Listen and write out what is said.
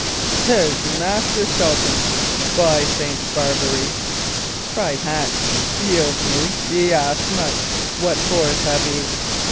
"'Tis Master Shelton, by St. Barbary!" cried Hatch. "Yield me? Ye ask much. What force have ye?"